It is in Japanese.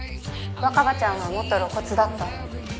若葉ちゃんはもっと露骨だった。